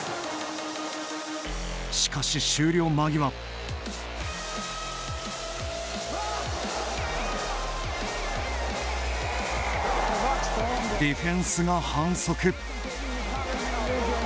しかし、終了間際ディフェンスが反則。